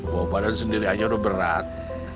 bawa badan sendiri aja udah berat